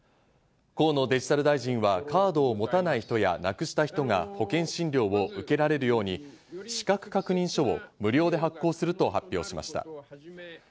河野デジタル大臣はカードを持たない人や、なくした人が保険診療を受けられるように、資格確認書を無料で発行すると発表しました。